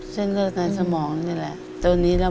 เส้นเลิกมีในสมองนี่แหละ